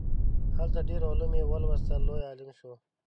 هلته ډیر علوم یې ولوستل لوی عالم شو.